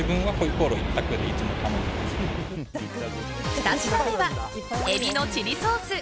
２品目は、海老のチリソース！